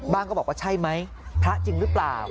ก็บอกว่าใช่ไหมพระจริงหรือเปล่า